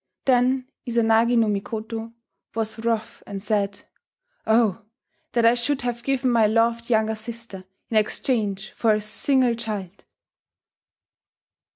Then Izanagi no Mikoto, was wroth and said, "Oh! that I should have given my loved younger sister in exchange for a single child!"